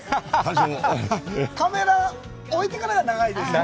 カメラを置いてからが長いですから。